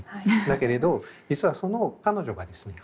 だけれど実はその彼女がですね